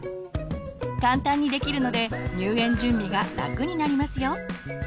簡単にできるので入園準備が楽になりますよ。